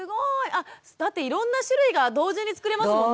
あだっていろんな種類が同時に作れますもんね。